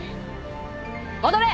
戻れ！